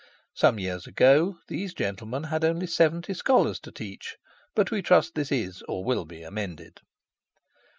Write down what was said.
Some years ago these gentlemen had only seventy scholars to teach, but we trust this is, or will be, amended.